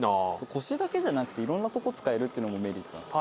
腰だけじゃなくっていろんなとこ使えるってのもメリットなんです。